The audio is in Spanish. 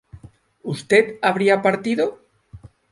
¿Usted habría partido?